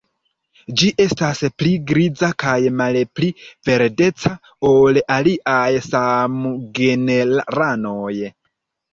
Ĝi estas pli griza kaj malpli verdeca ol aliaj samgenranoj.